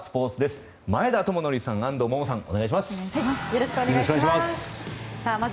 よろしくお願いします。